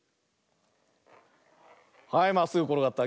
はいまっすぐころがった。